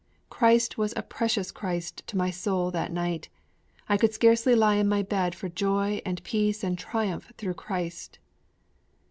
Christ was a precious Christ to my soul that night; I could scarcely lie in my bed for joy and peace and triumph through Christ!'